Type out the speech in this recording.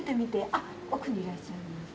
あっ奥にいらっしゃる。